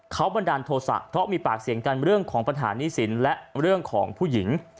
เขาบันดาลโทษะเพราะมีปากเสียงกันเรื่องของปัญหาหนี้สินและเรื่องของผู้หญิง